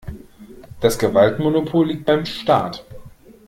Das Gewaltmonopol liegt beim Staat.